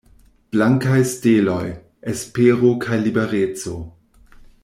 Blankaj steloj: espero kaj libereco.